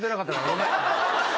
ごめん。